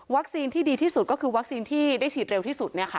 วัคซีนที่ดีที่สุดก็คือวัคซีนที่ได้ฉีดเร็วที่สุดเนี่ยค่ะ